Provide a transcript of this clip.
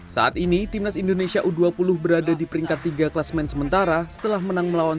saat ini timnas indonesia u dua puluh berada di peringkat tiga kelas main sementara setelah menang melawan